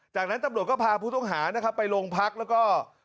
จากนั้นตำรวจก็พาผู้ต้องหานะครับไปโรงพักแล้วก็